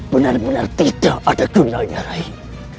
benar benar tidak ada gunanya raih